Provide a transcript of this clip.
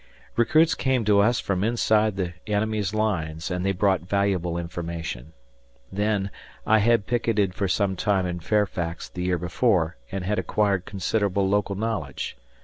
Recruits came to us from inside the enemy's lines, and they brought valuable information. Then, I had picketed for some time in Fairfax theyear before and had acquired considerable local knowledge.